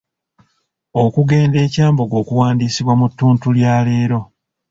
Okugenda e Kyambogo okuwandiisibwa mu ttuntu lya leero.